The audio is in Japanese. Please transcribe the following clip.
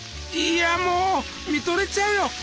いやもう見とれちゃうよ。